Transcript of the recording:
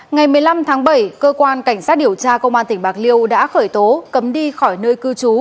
ngày một mươi năm tháng bảy cơ quan cảnh sát điều tra công an tỉnh bạc liêu đã khởi tố cấm đi khỏi nơi cư trú